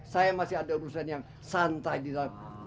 saya masih ada urusan yang santai di dalam